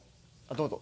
どうぞ。